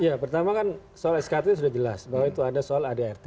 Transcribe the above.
ya pertama kan soal skt sudah jelas bahwa itu ada soal adart